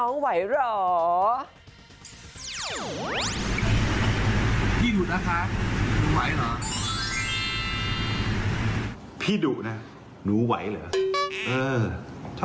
แม่ดุดุไม่ไหวเหรอ